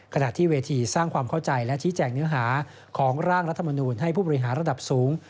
ขณะที่เวทีสร้างความเข้าใจและชี้แจงเนื้อหาของร่างรัฐมนูลให้ผู้บริหารระดับสูง